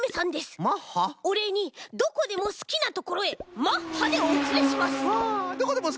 おれいにどこでもすきなところへマッハでおつれします！